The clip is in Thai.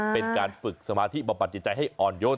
เป็นการฝึกสมาธิบำบัดจิตใจให้อ่อนโยน